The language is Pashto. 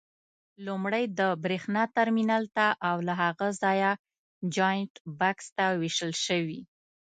لومړی د برېښنا ترمینل ته او له هغه ځایه جاینټ بکس ته وېشل شوي.